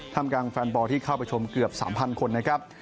ทำกลางแฟนบอลที่เข้าไปชมเกือบ๓๐๐คนนะครับ